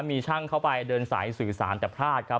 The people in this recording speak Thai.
มีช่างเข้าไปเดินสายสื่อสารแต่พลาดครับ